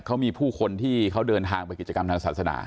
เขามีผู้คนที่เขาเดินทางไปกิจกรรมทางศาสนา